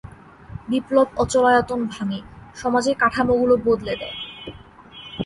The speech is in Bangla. বিপ্লব অচলায়তন ভাঙে, সমাজের কাঠামোগুলো বদলে দেয়।